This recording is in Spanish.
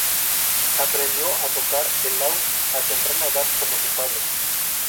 Aprendió a tocar el laúd a temprana edad, como su padre.